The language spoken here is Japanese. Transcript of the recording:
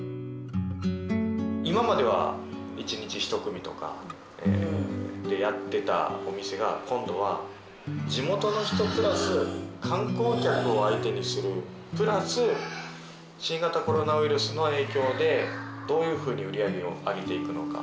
今までは１日１組とかでやってたお店が今度は地元の人プラス観光客を相手にするプラス新型コロナウイルスの影響でどういうふうに売り上げを上げていくのか。